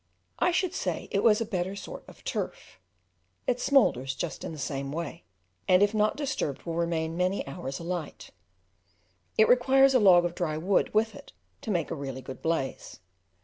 I should say it was a better sort of turf: it smoulders just in the same way, and if not disturbed will remain many hours alight; it requires a log of dry wood with it to make a really good blaze.